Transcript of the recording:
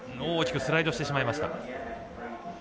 大きくスライドしてしまいました。